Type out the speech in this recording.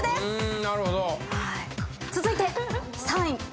続いて３位。